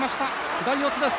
左四つです。